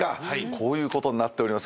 こういうことになっております。